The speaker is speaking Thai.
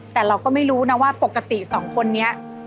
แต่เราก็ไม่รู้นะว่าปกติสองคนนี้